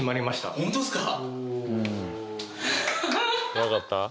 分かった？